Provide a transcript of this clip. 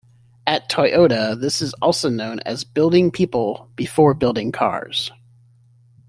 At Toyota this is also known as Building people before building cars.